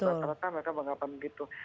mereka mengapa begitu